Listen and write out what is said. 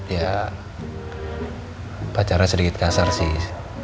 ya upacara sedikit kasar sih